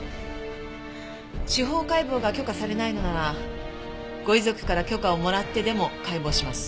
司法解剖が許可されないのならご遺族から許可をもらってでも解剖します。